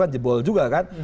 korbi jebol juga dulu kan